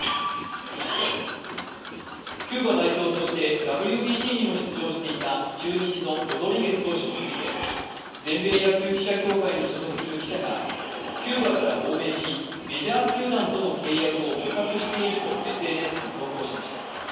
キューバ代表としてＷＢＣにも出場していた中日のロドリゲス投手について、全米野球記者協会に所属する記者がキューバから亡命し、メジャー球団との契約を模索しているとＳＮＳに投稿しました。